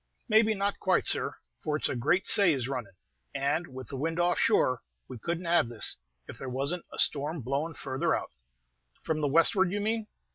"Maybe not quite, sir, for it's a great say is runnin'; and, with the wind off shore, we could n't have this, if there was n't a storm blowing farther out." "From the westward, you mean?"